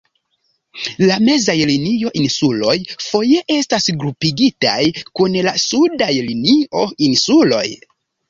La Mezaj Linio-Insuloj foje estas grupigitaj kun la Sudaj Linio-Insuloj.